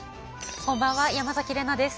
こんばんは山崎怜奈です。